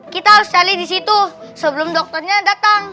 kita harus cari di situ sebelum dokternya datang